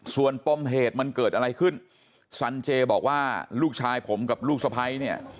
ส่วนปมเหตุมันเกิดอะไรขึ้นสันเจบอกว่าลูกชายผมกับลูกสะพ้ายเนี่ย